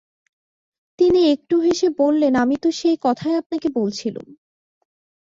তিনি একটু হেসে বললেন, আমি তো সেই কথাই আপনাকে বলছিলুম।